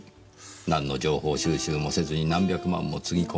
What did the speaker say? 何の情報収集もせずに何百万もつぎ込む。